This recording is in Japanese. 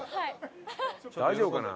大丈夫かな？